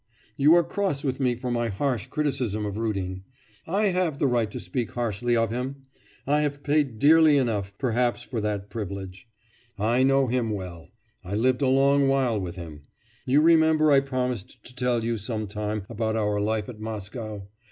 You are cross with me for my harsh criticism of Rudin; I have the right to speak harshly of him! I have paid dearly enough, perhaps, for that privilege. I know him well: I lived a long while with him. You remember I promised to tell you some time about our life at Moscow.